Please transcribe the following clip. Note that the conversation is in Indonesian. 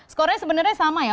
skornya sebenarnya sama ya